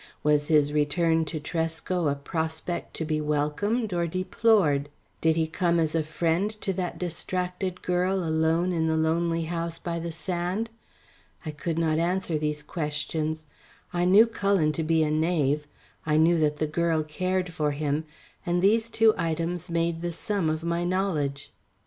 Was his return to Tresco, a prospect to be welcomed or deplored? Did he come as a friend to that distracted girl alone in the lonely house by the sand? I could not answer these questions. I knew Cullen to be a knave, I knew that the girl cared for him, and these two items made the sum of my knowledge.